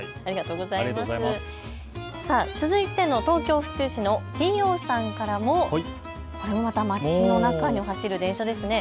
続いての東京府中市のＴＯさんからも街の中に走る電車ですね。